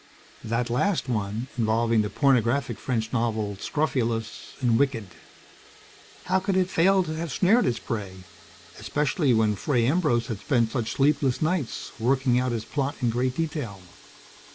That last one, involving the pornographic French novel so scrofulous and wicked. How could it failed to have snared its prey? Especially, when Fray Ambrose had spent such sleepless nights, working out his plot in great detail?